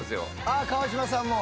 川島さんも。